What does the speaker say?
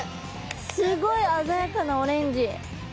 すごいあざやかなオレンジ。